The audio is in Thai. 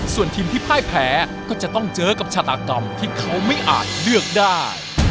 ส่วนทีมที่พ่ายแพ้ก็จะต้องเจอกับชาตากรรมที่เขาไม่อาจเลือกได้